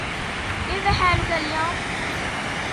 كيف حالك اليوم ؟